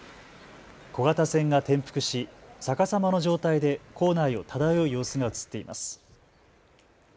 小型船が転覆し逆さまの状態で港内を漂う様子が写っています。